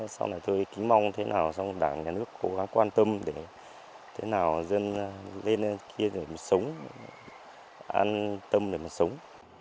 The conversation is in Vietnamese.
sau này thôi kính mong thế nào sau đó đảng nhà nước cố gắng quan tâm để thế nào dân lên kia để sống an tâm để mà sống